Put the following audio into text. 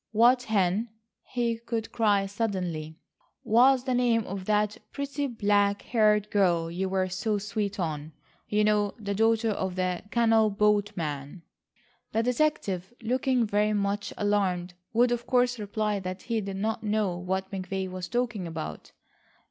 "What, Hen," he would cry suddenly, "was the name of that pretty black haired girl you were so sweet on,—you know, the daughter of the canal boat man." The detective, looking very much alarmed, would of course reply that he did not know what McVay was talking about.